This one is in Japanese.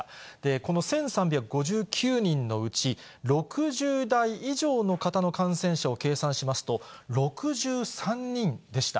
この１３５９人のうち、６０代以上の方の感染者を計算しますと、６３人でした。